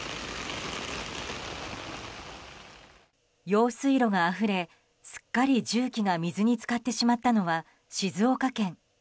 用水路があふれすっかり重機が水に浸かってしまったのは静岡県。